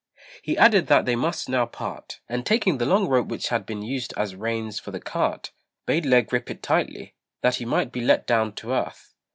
He added that they must now part; and taking the long rope which had been used as reins for the cart, bade Lê grip it tightly, that he might be let down to earth.